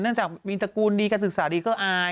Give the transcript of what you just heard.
เนื่องจากมีจักรูลดีการศึกษาดีก็อาย